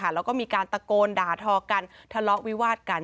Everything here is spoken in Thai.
แล้วก็มีการตะโกนด่าทอกันทะเลาะวิวาดกัน